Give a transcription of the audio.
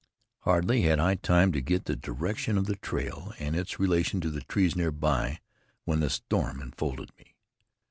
Hardly had I time to get the direction of the trail, and its relation to the trees nearby, when the storm enfolded me.